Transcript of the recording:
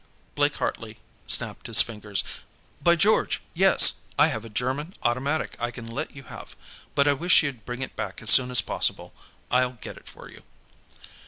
Blake Hartley snapped his fingers. "By George, yes! I have a German automatic I can let you have, but I wish you'd bring it back as soon as possible. I'll get it for you."